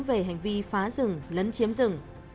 về hành vi phá rừng lấn chiếm rừng